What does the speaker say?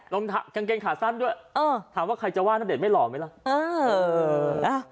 กางเกงขาสั้นด้วยถามว่าใครจะว่าณเดชนไม่หล่อไหมล่ะ